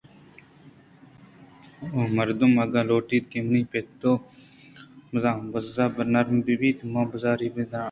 او مرد! تو اگاں لوٹ ئے کہ منی پُٹ ءُ پژم بَز ءُ نرم بہ بنتءُ من پَزّوری ءَ بِہ ترٛپاں